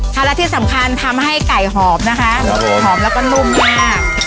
ค่ะแล้วที่สำคัญทำให้ไก่หอมนะคะครับผมหอมแล้วก็นุ่มมาก